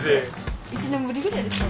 １年ぶりぐらいですか？